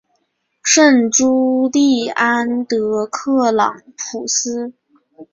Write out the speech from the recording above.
圣朱利安德克朗普斯。